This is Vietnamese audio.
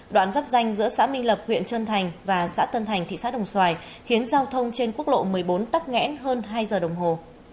đoạn dắp danh giữa xã minh lập huyện trân thành và xã tân thành thị xã đồng xoài khiến giao thông trên quốc lộ một mươi bốn tắc nghẽn hơn hai giờ đồng hồ